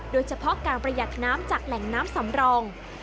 โดยเฉพาะการประหยัดน้ำจากแหล่งน้ำสำรอง